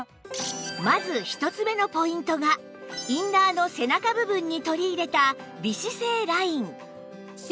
まず１つ目のポイントがインナーの背中部分に取り入れた美姿勢ライン